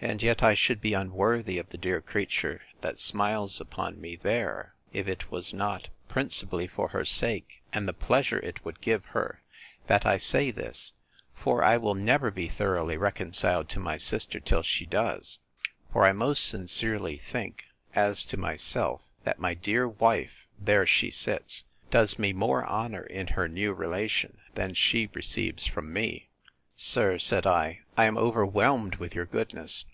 —And yet I should be unworthy of the dear creature that smiles upon me there, if it was not principally for her sake, and the pleasure it would give her, that I say this: for I will never be thoroughly reconciled to my sister till she does; for I most sincerely think, as to myself, that my dear wife, there she sits, does me more honour in her new relation, than she receives from me. Sir, said I, I am overwhelmed with your goodness!